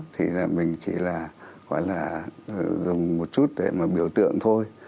thì là mình chỉ là gọi là dùng một chút để mà biểu tượng thôi